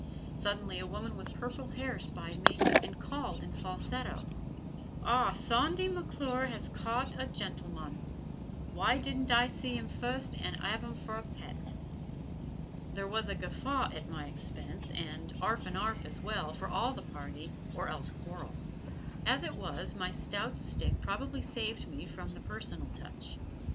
Suddenly a woman with purple hair spied me and called in falsetto: "Ah, Sawndy McClure has caught a gen'l'mon. Why didn't I see 'im fust an' 'arve 'im fer a pet?" There was a guffaw at my expense and 'arf and 'arf as well, for all the party, or else quarrel. As it was, my stout stick probably saved me from the "personal touch."